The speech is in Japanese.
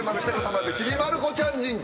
ちびまる子ちゃん神社。